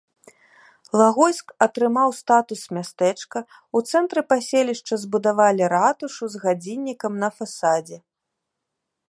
Лагойск атрымаў статус мястэчка, у цэнтры паселішча збудавалі ратушу з гадзіннікам на фасадзе.